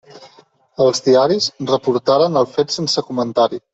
Els diaris reportaren el fet sense comentari.